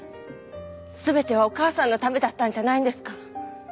全てはお母さんのためだったんじゃないんですか？